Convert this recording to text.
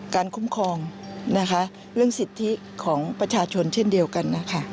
คุ้มครองนะคะเรื่องสิทธิของประชาชนเช่นเดียวกันนะคะ